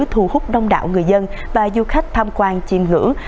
thu hút đông đạo người dân và du khách tham quan chiêm ngưỡng